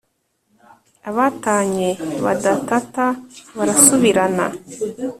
Abatanye badatata barasubirana.